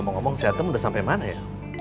ngomong ngomong sehat em udah sampe mana ya